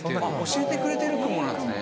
教えてくれている雲なんですね。